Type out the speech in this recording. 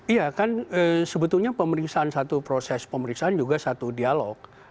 iya kan sebetulnya pemeriksaan satu proses pemeriksaan juga satu dialog